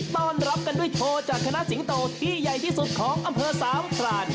ต้อนรับกันด้วยโชว์จากคณะสิงโตที่ใหญ่ที่สุดของอำเภอสามพราน